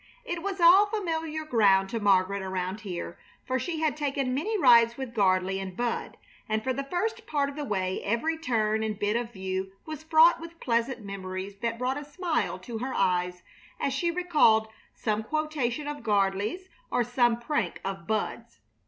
It was all familiar ground to Margaret around here, for she had taken many rides with Gardley and Bud, and for the first part of the way every turn and bit of view was fraught with pleasant memories that brought a smile to her eyes as she recalled some quotation of Gardley's or some prank of Bud's.